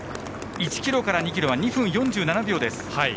１ｋｍから２ｋｍは２分４７秒です。